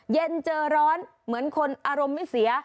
เย็นเจอร้อนเหมือนคนอารมณ์ไม่เสีย